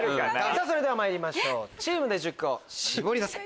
それではまいりましょうチームで１０個シボリダセ。